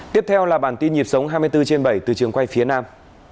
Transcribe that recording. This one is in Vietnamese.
tiếp theo là bản tin nhịp sống hai mươi bốn trên bảy từ trường quay phía nam